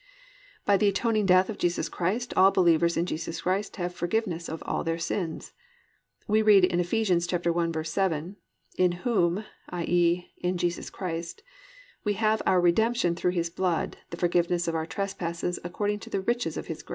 3. By the atoning death of Jesus Christ all believers in Jesus Christ have forgiveness of all their sins. We read in Eph. 1:7, +"In whom+ (i.e., in Jesus Christ) +we have our redemption through His blood, the forgiveness of our trespasses, according to the riches of His grace."